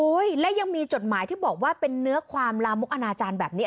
และยังมีจดหมายที่บอกว่าเป็นเนื้อความลามกอนาจารย์แบบนี้